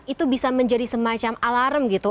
itu bisa menjadi semacam alarm gitu